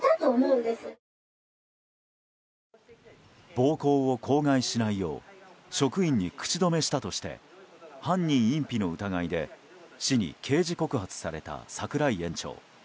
暴行を口外しないよう職員に口止めしたとして犯人隠避の疑いで市に刑事告訴された櫻井園長。